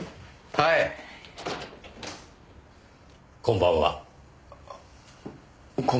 あっこんばんは。